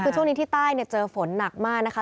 คือช่วงนี้ที่ใต้เจอฝนหนักมากนะคะ